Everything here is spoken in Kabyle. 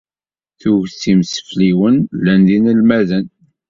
Tuget imsefliden llan d inelmaden.